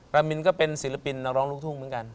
มินก็เป็นศิลปินนักร้องลูกทุ่งเหมือนกัน